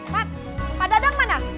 pak pak dadang mana